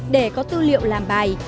để có tư liệu làm bài